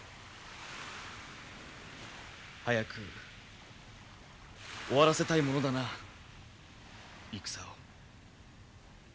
早く終わらせたいものだなあ戦を。